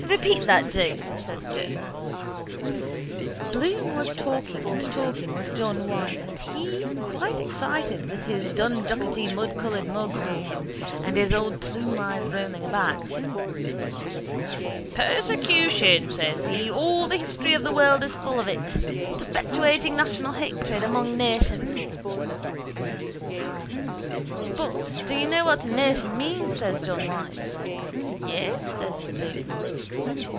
—Repeat that dose, says Joe. Bloom was talking and talking with John Wyse and he quite excited with his dunducketymudcoloured mug on him and his old plumeyes rolling about. —Persecution, says he, all the history of the world is full of it. Perpetuating national hatred among nations. —But do you know what a nation means? says John Wyse. —Yes, says Bloom.